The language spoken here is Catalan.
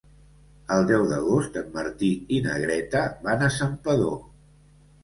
El deu d'agost en Martí i na Greta van a Santpedor.